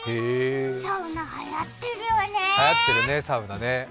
サウナはやってるよね？